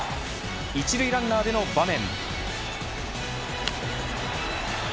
１塁ランナーでの場面。